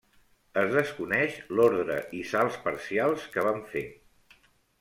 Es desconeix l'ordre i salts parcials que van fer.